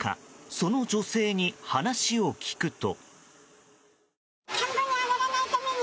その女性に話を聞くと。